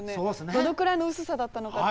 どのくらいの薄さだったのかって。